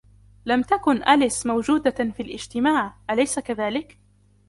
لم تكن أليس موجودة في الاجتماع ، أليس كذلك ؟